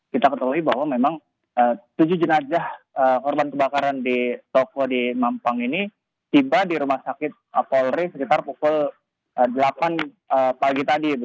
kita ketahui bahwa memang tujuh jenazah korban kebakaran di toko di mampang ini tiba di rumah sakit polri sekitar pukul delapan pagi tadi